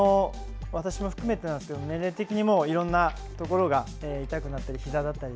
私も含めですが年齢的にもいろんなところが痛くなったりひざだったり